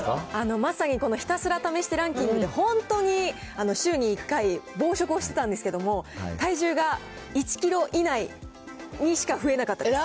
まさにこのひたすら試してランキングで、本当に週に１回、暴食をしてたんですけれども、体重が１キロ以内にしか増えなかったです。